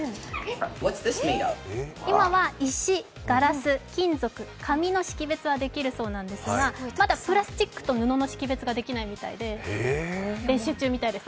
今は石、ガラス、金属、紙の識別はできるそうなんですが、まだプラスチックと布の識別はできないみたいで練習中みたいです、